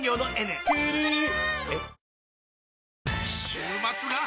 週末が！！